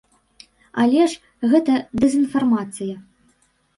Але ж гэта дэзынфармацыя.